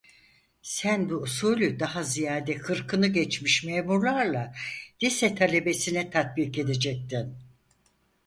Sen bu usulü daha ziyade kırkını geçmiş memurlarla, lise talebesine tatbik edecektin.